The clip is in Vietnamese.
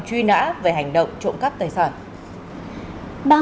truy nã về hành động trộm cắp tài sản